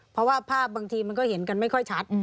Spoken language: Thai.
เพราะว่าภาพบางทีมันก็เห็นกันไม่ค่อยชัด